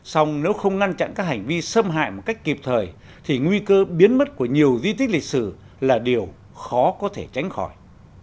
xong nếu không ngăn chặn các hành vi xâm hại một cách kịp thời thì nguy cơ biến mất của nhiều di tích lịch sử là điều khó có thể tránh khỏi